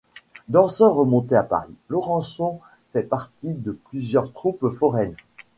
Danseur renommé à Paris, Laurençon fait partie de plusieurs troupes foraines.